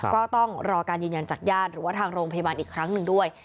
ก็ต้องรอการยืนยันจากญาติหรือว่าทางโรงพยาบาลอีกครั้งหนึ่งด้วย